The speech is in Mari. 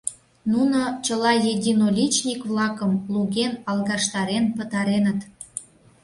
Нуно чыла единоличник-влакым луген, алгаштарен пытареныт...